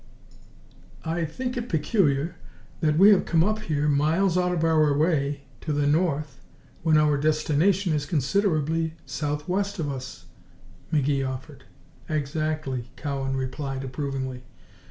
"I think it peculiar that we have come up here, miles out of our way to the north, when our destination is considerably southwest of us," McGee offered. "Exactly!" Cowan replied, approvingly.